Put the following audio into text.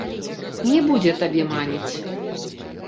Не будзе табе маніць.